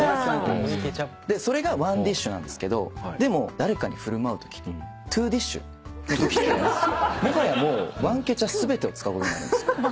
それがワンディッシュなんですけどでも誰かにふるまうときにトゥーディッシュのときってもはやワンケチャ全てを使うことになるんです。